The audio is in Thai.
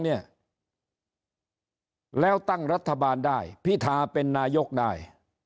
เนี่ยแล้วตั้งรัฐบาลได้พิธาเป็นนายกได้